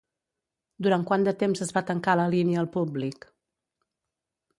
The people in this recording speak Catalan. Durant quant de temps es va tancar la línia al públic?